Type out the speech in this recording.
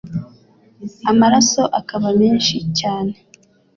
amaraso akaba menshi cyane